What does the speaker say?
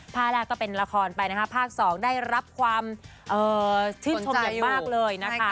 แรกก็เป็นละครไปนะคะภาค๒ได้รับความชื่นชมอย่างมากเลยนะคะ